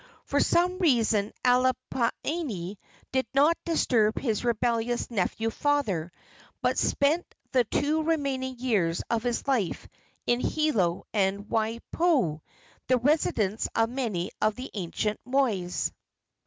For some reason Alapainui did not disturb his rebellious nephew farther, but spent the two remaining years of his life in Hilo and Waipio, the residence of many of the ancient mois.